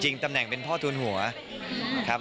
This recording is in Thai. จริงตำแหน่งเป็นพ่อทวนหัวครับ